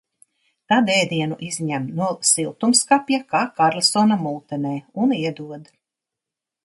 Tad ēdienu izņem no siltumskapja, kā Karlsona multenē, un iedod.